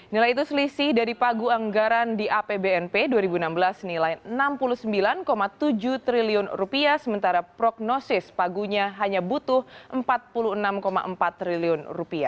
nilai itu selisih dari pagu anggaran di apbnp dua ribu enam belas nilai rp enam puluh sembilan tujuh triliun sementara prognosis pagunya hanya butuh rp empat puluh enam empat triliun